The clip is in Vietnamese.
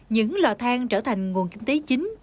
những lò thang trở thành nguồn kinh tế chính